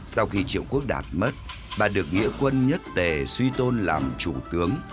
sau khi triệu quốc đạt mất bà được nghĩa quân nhất tề suy tôn làm chủ tướng